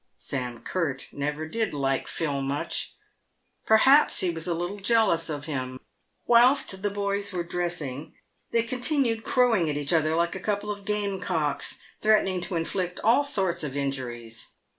Sam Curt never did like Phil much. Perhaps he was a little jealous of him. Whilst the boys were dressing, they continued crowing at each other like a couple of game cocks, threatening to inflict all sorts of injuries.